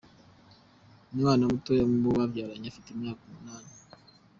Umwana mutoya mu bo babyaranye afite imyaka umunani.